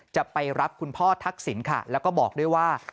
จะไปรับคุณพ่อทักษิณค่ะแล้วก็บอกด้วยว่า